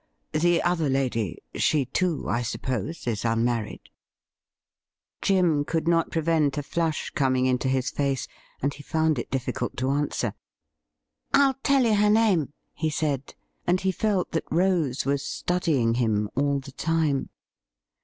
The other lady — she, too, I suppose, is unmarried .'''' Jim could not prevent a flush coming into his face, and he found it difficult to answer. ' ril tell you her name,' he said, and he felt that Rose was studying him all the time.